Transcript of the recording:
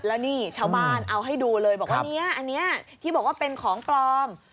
แล้วนี่ชาวบ้านเอาให้ดูเลยบอกว่าเนี่ยอันนี้ที่บอกว่าเป็นของปลอม